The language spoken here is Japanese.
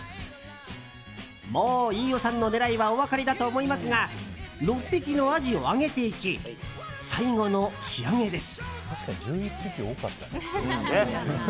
もう飯尾さんの狙いはお分かりだと思いますが６匹のアジを揚げていき最後の仕上げです。